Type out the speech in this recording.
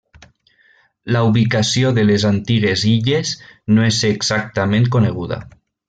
La ubicació de les antigues illes no és exactament coneguda.